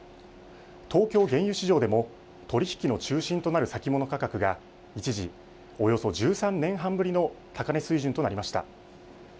東京原油市場でも取り引きの中心となる先物価格が一時、およそ１３年半ぶりの高値水準となりました。